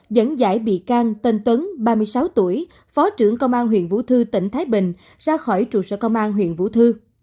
dẫn giải bị can tên tuấn ba mươi sáu tuổi phó trưởng công an huyện vũ thư tỉnh thái bình ra khỏi trụ sở công an huyện vũ thư